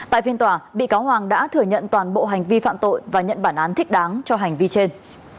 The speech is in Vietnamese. tại phiên tòa bị cáo hoàng đã thừa nhận toàn bộ hành vi phạm tội và nhận bản án thích đáng cho hành vi trên